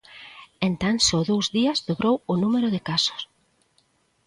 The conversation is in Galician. En tan só dous días dobrou o número de casos.